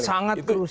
iya sangat krusial